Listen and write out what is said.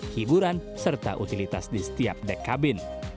hiburan serta utilitas di setiap dek kabin